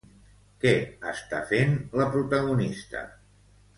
Què està fent la protagonista?